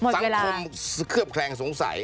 เคลือบแคลงสงสัย